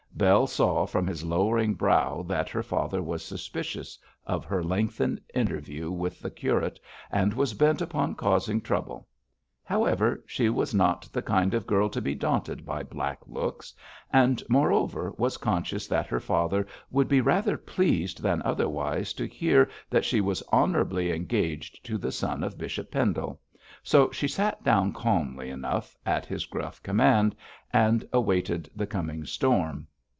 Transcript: Bell saw from his lowering brow that her father was suspicious of her lengthened interview with the curate, and was bent upon causing trouble. However, she was not the kind of girl to be daunted by black looks, and, moreover, was conscious that her father would be rather pleased than otherwise to hear that she was honourably engaged to the son of Bishop Pendle, so she sat down calmly enough at his gruff command, and awaited the coming storm.